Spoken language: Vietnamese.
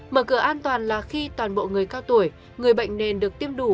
mở cửa an toàn là khi toàn bộ người cao tuổi người bệnh nên được tiêm đủ